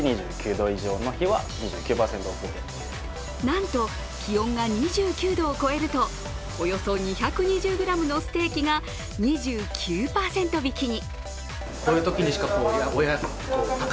なんと、気温が２９度を超えるとおよそ２２０ｇのステーキが２９％引きに。